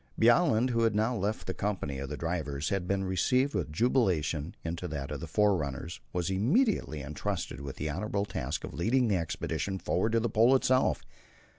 Bjaaland, who had now left the company of the drivers and been received with jubilation into that of the forerunners, was immediately entrusted with the honourable task of leading the expedition forward to the Pole itself.